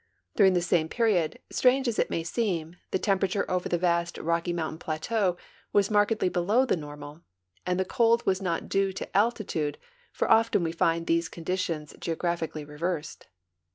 During this same {)eriod, strange as it may seem, the temj»erature over the vast Rocky Mountain i)lateau was markedly helow tiie normal, and the cold was not due to altitude, for often we find these conditions geographically reversed.